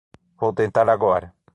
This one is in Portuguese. Vou tentar agora.